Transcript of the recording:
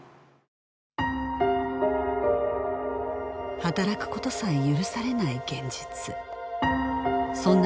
働くことさえ許されない現実そんな